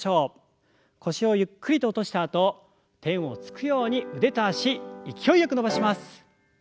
腰をゆっくりと落としたあと天をつくように腕と脚勢いよく伸ばします。